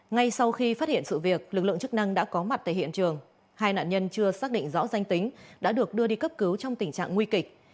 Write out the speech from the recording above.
ngay sau khi phát hiện sự việc lực lượng chức năng đã có mặt tại hiện trường hai nạn nhân chưa xác định rõ danh tính đã được đưa đi cấp cứu trong tình trạng nguy kịch